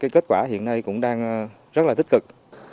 kết quả hiện nay cũng đang rất là tích cực